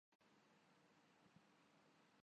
ادھر پاکستان میں حالیہ برسوں میں